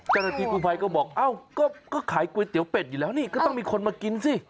เจ้าหน้าที่กู้ภัยก็บอกก็ขายก๋วยเตี๋ยวเป็ดอยู่แล้วนี่ก็ต้องมีคนมากินสิ